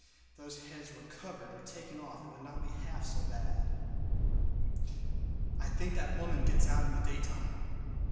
If those heads were covered or taken off it would not be half so bad. I think that woman gets out in the daytime!